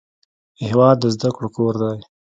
هېواد د زده کړو کور دی.